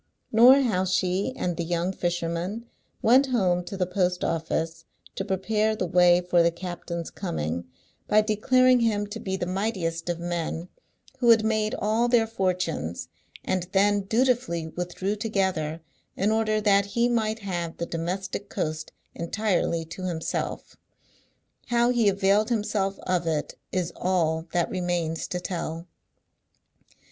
Nor how she and the young fisherman went home to the post office to prepare the way for the captain's coming, by declaring him to be the mightiest of men, who had made all their fortunes, and then dutifully withdrew together, in order that he might have the domestic coast entirely to himself. How he availed himself of it is all that remains to tell.